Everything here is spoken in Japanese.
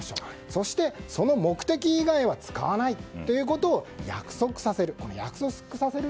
そして、その目的以外は使わないということを約束させる。